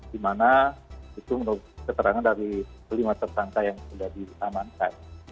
di mana itu menurut keterangan dari kelima tersangka yang sudah diamankan